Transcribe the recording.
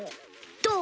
どう！？